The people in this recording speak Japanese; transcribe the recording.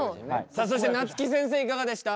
さあそしてなつき先生いかがでした？